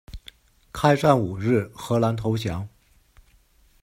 开战五日荷兰投降。